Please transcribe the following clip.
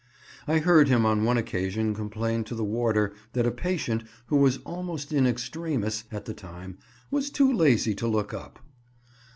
I heard him on one occasion complain to the warder, that a patient, who was almost in extremis at the time, was "too lazy to look up."